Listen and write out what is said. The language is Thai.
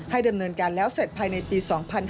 ดำเนินการแล้วเสร็จภายในปี๒๕๕๙